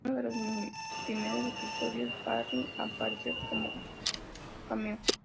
En uno de los primeros episodios, Barry apareció como cameo.